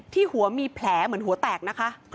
ที่หัวมีแผลเหมือนหัวแตกนะคะ